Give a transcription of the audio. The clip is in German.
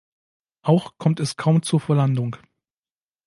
Auch kommt es kaum zur Verlandung.